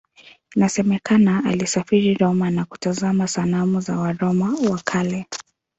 Inasemekana alisafiri Roma na kutazama sanamu za Waroma wa Kale.